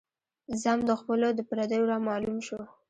ذم د خپلو د پرديو را معلوم شو